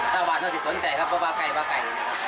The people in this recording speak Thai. ชาวน้อยที่สนใจครับว่าวาไก่วาไก่